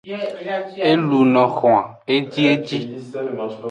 E luno xwan ejieji.